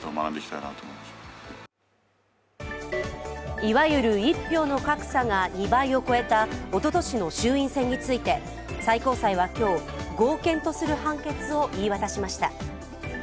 いわゆる一票の格差が２倍を超えたおととしの衆院選について最高裁は今日、合憲とする判決を言い渡しました。